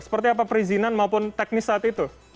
seperti apa perizinan maupun teknis saat itu